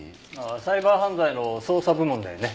サイバー犯罪の捜査部門だよね。